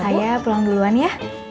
saya pulang duluan ya